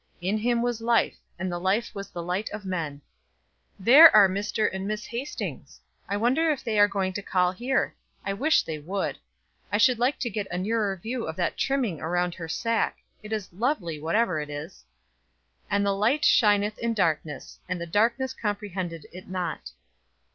In him was life: and the life was the light of men.' There are Mr. and Miss Hastings. I wonder if they are going to call here? I wish they would. I should like to get a nearer view of that trimming around her sack; it is lovely whatever it is. 'And the light shineth in darkness; and the darkness comprehended it not.'"